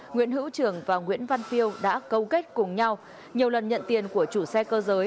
nguyễn hữu trường và nguyễn văn phiêu đã câu kết cùng nhau nhiều lần nhận tiền của chủ xe cơ giới